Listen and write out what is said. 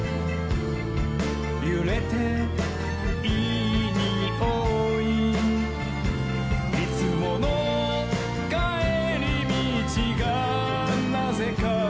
「ゆれていいにおい」「いつものかえりみちがなぜか」